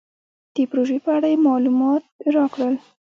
د پروژې په اړه یې مالومات راکړل.